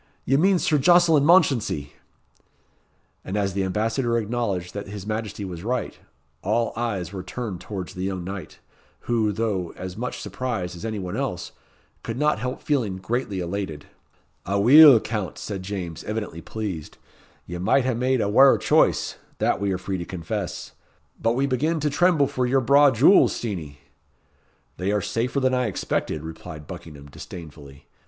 Ye mean Sir Jocelyn Mounchensey." And as the Ambassador acknowledged that his Majesty was right, all eyes were turned towards the young knight, who, though as much surprised as any one else, could not help feeling greatly elated. "Aweel, Count," said James, evidently pleased, "ye might hae made a waur choice that we are free to confess. We begin to tremble for your braw jewels, Steenie." "They are safer than I expected," replied Buckingham, disdainfully.